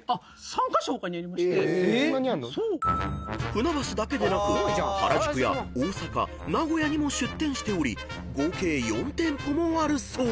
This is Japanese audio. ［船橋だけでなく原宿や大阪名古屋にも出店しており合計４店舗もあるそう］